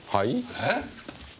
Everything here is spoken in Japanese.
えっ！？